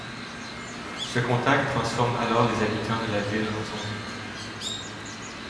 Ce contact transforme alors les habitants de la ville en zombies.